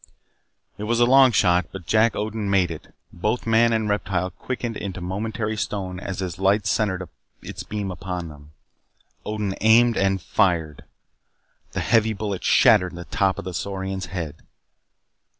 It was a long shot. But Jack Odin made it. Both man and reptile quickened into momentary stone as his light centered its beam upon them. Odin aimed and fired. The heavy bullet shattered the top of the saurian's head.